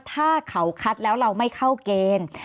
ถ้าเขาคัดแล้วเราไม่เข้าเกณฑ์